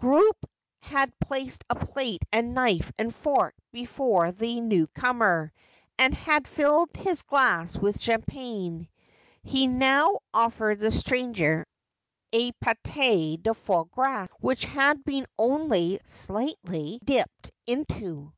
Scroope had placed a plate and knife and fork before the new comer, and had tilled his glass with champagne. Ho now offered the stranger a pate de foie gras, which had been only slightly dipped into.